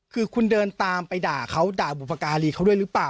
คือคุณเดินตามไปด่าเขาด่าบุพการีเขาด้วยหรือเปล่า